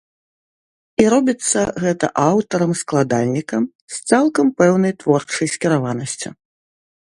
І робіцца гэта аўтарам-складальнікам з цалкам пэўнай творчай скіраванасцю.